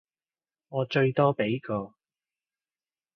我最多畀個